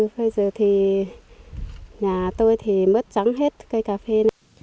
bây giờ thì nhà tôi thì mất trắng hết cây cà phê